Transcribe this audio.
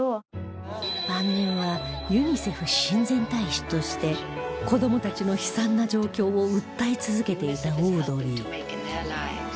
晩年はユニセフ親善大使として子どもたちの悲惨な状況を訴え続けていたオードリー